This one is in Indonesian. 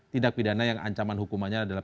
tindak pidana yang ancaman hukumannya adalah